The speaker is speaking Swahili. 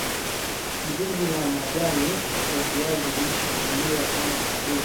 mizizi na majani ya viazi lishe huliwa kama chakula